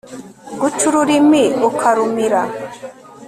guca ururimi ukarumira